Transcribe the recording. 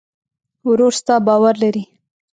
ورور ستا باور لري.